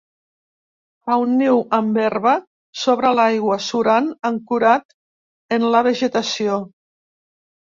Fa un niu amb herba, sobre l'aigua, surant, ancorat en la vegetació.